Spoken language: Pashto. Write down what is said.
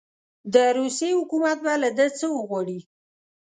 د روسیې حکومت به له ده څخه وغواړي.